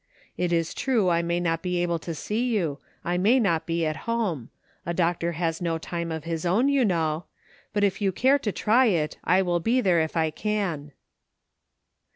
It is true I may not be able to see you, I may not be at home ; a doctor has no time of his own, you know, but if you care to try it, I will be there if I can."